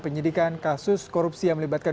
penyidikan kasus korupsi yang melibatkan